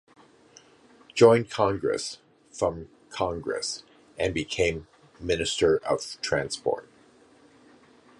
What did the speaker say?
Joined Congress from Congress and became Minister of Transport.